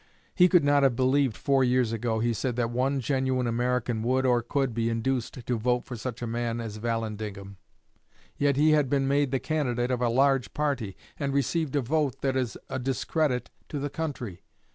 He could not have believed four years ago, he said, that one genuine American would or could be induced to vote for such a man as Vallandigham. Yet he had been made the candidate of a large party, and received a vote that is a discredit to the country.